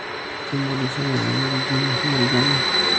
Simboliza la unión del yin y el yang.